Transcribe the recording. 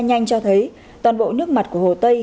nhanh cho thấy toàn bộ nước mặt của hồ tây